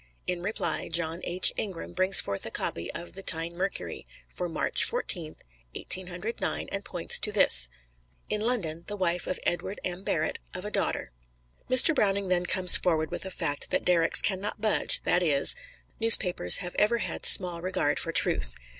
In reply, John H. Ingram brings forth a copy of the Tyne "Mercury," for March Fourteenth, Eighteen Hundred Nine, and points to this: "In London, the wife of Edward M. Barrett, of a daughter." Mr. Browning then comes forward with a fact that derricks can not budge, that is, "Newspapers have ever had small regard for truth."